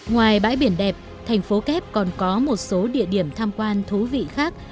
ngoài bãi biển đẹp thành phố kép còn có một số địa điểm tham quan thú vị khác